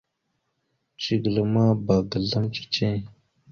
Zigəla ma bba ga azlam cici.